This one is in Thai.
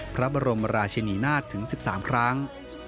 พระบรมราชินีนาฏถึง๑๓ครั้ง